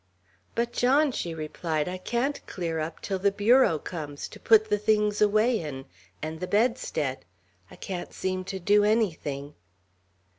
"But, John," she replied, "I can't clear up till the bureau comes, to put the things away in, and the bedstead. I can't seem to do anything."